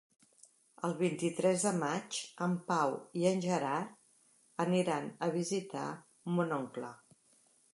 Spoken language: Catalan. El vint-i-tres de maig en Pau i en Gerard aniran a visitar mon oncle.